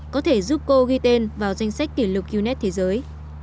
có thể giúp cô ghi tên vào danh sách kỷ lục uned thế giới